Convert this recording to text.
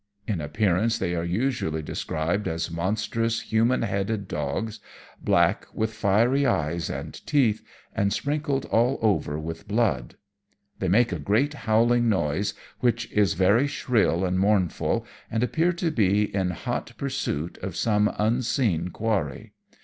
In appearance they are usually described as monstrous, human headed dogs, black, with fiery eyes and teeth, and sprinkled all over with blood. They make a great howling noise, which is very shrill and mournful, and appear to be in hot pursuit of some unseen quarry.